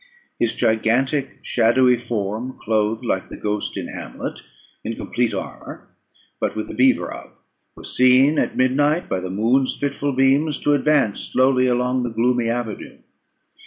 His gigantic, shadowy form, clothed like the ghost in Hamlet, in complete armour, but with the beaver up, was seen at midnight, by the moon's fitful beams, to advance slowly along the gloomy avenue.